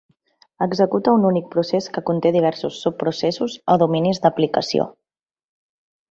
Executa un únic procés que conté diversos subprocessos o dominis d'aplicació.